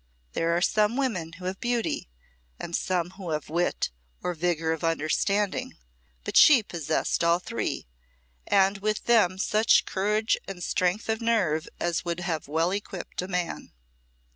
There are some women who have beauty, and some who have wit or vigour of understanding, but she possessed all three, and with them such courage and strength of nerve as would have well equipped a man.